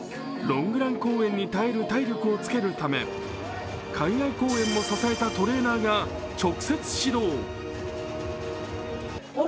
ロングラン公演に耐える体力をつけるため、海外公演も支えたトレーナーが直接指導。